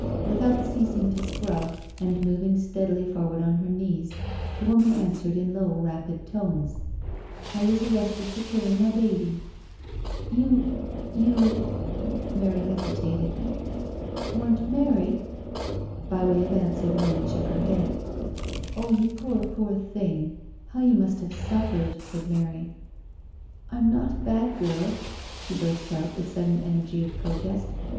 '* Without ceasing to scrub, and moving steadily for ward on her knees, the woman answered in low, rapid tones :'• I was arrested for killin* my baby.*' •• You — you "— Mary hesitated —weren't married?" By way of answer the woman shook her head. " Oh, you poor, poor thing — how you must have suffered," said Mary. "I'm not a bad girl," she burst out with sudden energy of protest.